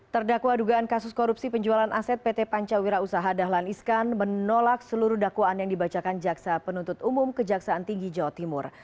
terdakwa dugaan kasus korupsi penjualan aset pt pancawira usaha dahlan iskan menolak seluruh dakwaan yang dibacakan jaksa penuntut umum kejaksaan tinggi jawa timur